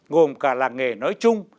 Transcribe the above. ngồm cả làng nghề nói chung